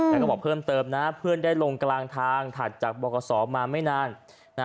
แล้วก็บอกเพิ่มเติมนะเพื่อนได้ลงกลางทางถัดจากบกษอมาไม่นาน